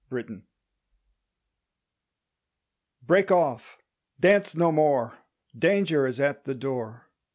WAR MUSIC Break off! Dance no more! Danger is at the door.